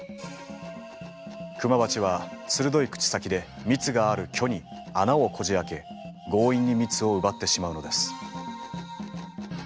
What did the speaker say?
クマバチは鋭い口先で蜜がある距に穴をこじあけ強引に蜜を奪ってしまうのです。